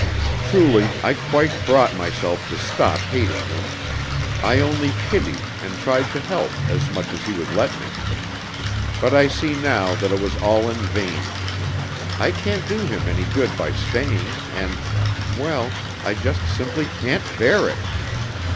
Truly, I quite brought myself to stop hating him. I only pitied, and tried to help, as much as he would let me. But I see now that it was all in vain. I can't do him any good by staying, and well, I just simply can't bear it!